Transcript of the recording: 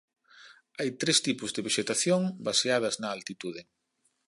Hai tres tipos de vexetación baseadas na altitude.